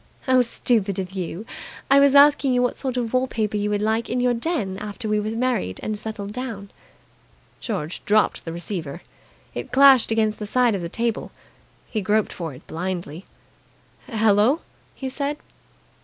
"How stupid of you! I was asking you what sort of wall paper you would like in your den after we were married and settled down." George dropped the receiver. It clashed against the side of the table. He groped for it blindly. "Hello!" he said.